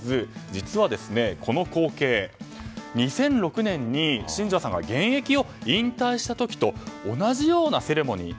実は、この光景２００６年に新庄さんが現役を引退した時と同じようなセレモニー。